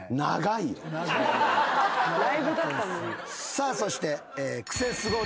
さあそして。